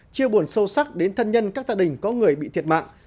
chia buồn sâu sắc đến thân nhân các gia đình có người bị thiệt mạng